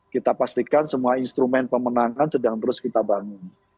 kita pastikan semua instrumen pemenangan sedang terus kita bangun